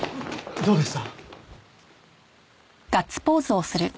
どうでした？